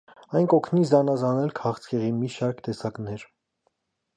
Այն կօգնի զանազանել քաղցկեղի մի շարք տեսակներ։